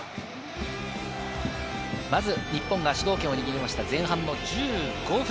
まず日本が主導権を握った前半１５分。